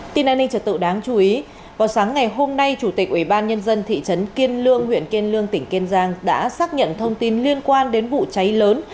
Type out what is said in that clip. tin an ninh trật tự đáng chú ý vào sáng ngày hôm nay chủ tịch ủy ban nhân dân tp hcm đã xác nhận thông tin liên quan đến vụ cháy lớn